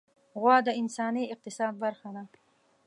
غوا د انساني اقتصاد برخه ده.